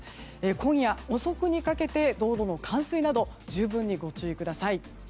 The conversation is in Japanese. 今夜遅くにかけて道路の冠水など十分にご注意ください。